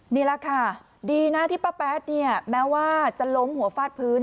นี่แหละค่ะดีนะที่ป้าแป๊ดเนี่ยแม้ว่าจะล้มหัวฟาดพื้น